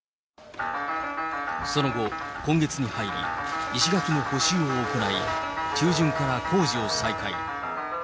その後、今月に入り、石垣の補修を行い、中旬から工事を再開。